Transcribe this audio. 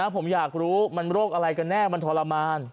ผมอยากรู้มันโรคอะไรกันแน่มันทรมาน